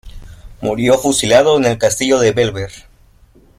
Murió fusilado en el castillo de Bellver.